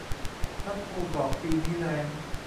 พระโคบอกปีนี้แล้ง